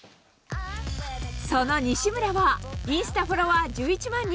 その西村はインスタフォロワー１１万人